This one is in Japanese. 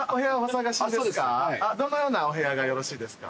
どのようなお部屋がよろしいですか？